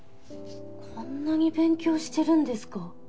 こんなに勉強してるんですか！？